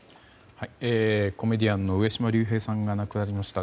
コメディアンの上島竜兵さんが亡くなりました。